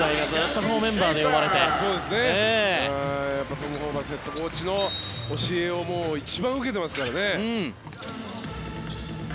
トム・ホーバスヘッドコーチの教えを一番受けていますからね。